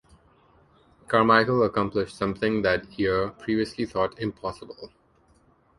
Carmichael accomplished something that year previously thought impossible.